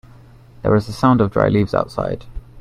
There was a sound of dry leaves outside.